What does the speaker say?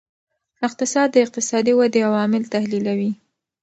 اقتصاد د اقتصادي ودې عوامل تحلیلوي.